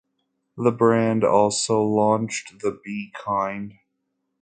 The brand also launched the Be Kind.